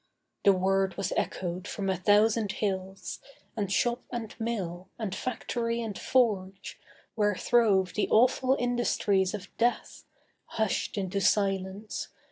The word was echoed from a thousand hills, And shop and mill, and factory and forge, Where throve the awful industries of death, Hushed into silence.